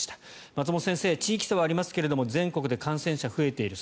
松本先生、地域差はありますが全国で感染者が増えている。